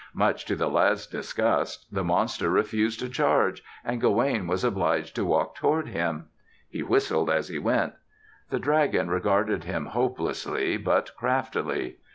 Much to the lad's disgust, the monster refused to charge and Gawaine was obliged to walk toward him. He whistled as he went. The dragon regarded him hopelessly, but craftily.